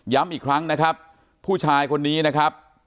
อีกครั้งนะครับผู้ชายคนนี้นะครับ